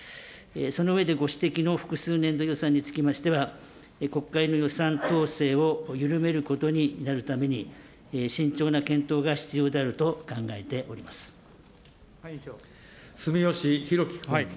その上で、ご指摘の複数年度予算につきましては、国会の予算統制を緩めることになるために、慎重な検討が必要であ住吉寛紀君。